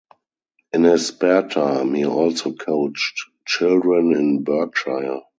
In his spare time, he also coached children in Berkshire.